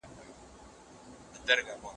هیڅوک باید په شخصي چارو کي مداخله ونه کړي.